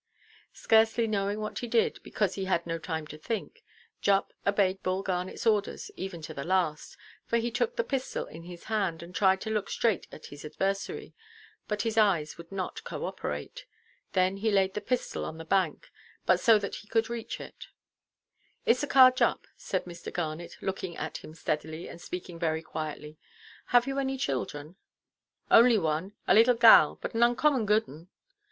Scarcely knowing what he did, because he had no time to think, Jupp obeyed Bull Garnetʼs orders even to the last—for he took the pistol in his hand, and tried to look straight at his adversary; but his eyes would not co–operate. Then he laid the pistol on the bank; but so that he could reach it. "Issachar Jupp," said Mr. Garnet, looking at him steadily, and speaking very quietly; "have you any children?" "Only one—a leetle gal, but an oncommon good un."